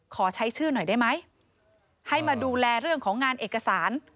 ขอใช้ชื่อหน่อยได้ไหมให้มาดูแลเรื่องของงานเอกสาร